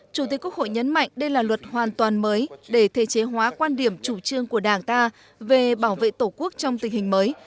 chủ tịch quốc hội nhấn mạnh đây là luật hoàn toàn mới để thể chế hóa quan điểm chủ trương của đảng ta về bảo vệ tổ quốc trong tình hình mới